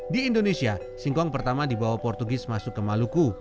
di indonesia singkong pertama dibawa portugis masuk ke maluku